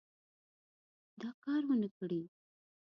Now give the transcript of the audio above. دا کار ونه کړي.